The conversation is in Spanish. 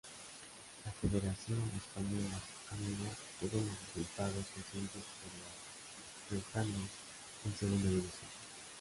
La Federación Española anuló todos los resultados conseguidos por los riojanos en Segunda División.